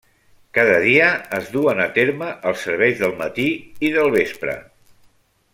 Cada dia es duen a terme els serveis del matí i del vespre.